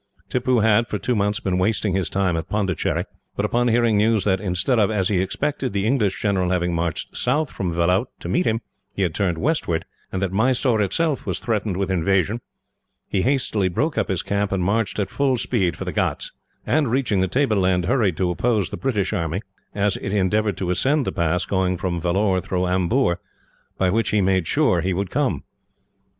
Tippoo had, for two months, been wasting his time at Pondicherry; but, upon hearing news that instead of, as he expected, the English general having marched south from Vellout to meet him, he had turned westward; and that Mysore, itself, was threatened with invasion, he hastily broke up his camp, and marched at full speed for the ghauts; and, reaching the table land, hurried to oppose the British army, as it endeavoured to ascend the pass going from Vellore through Amboor, by which he made sure he would come.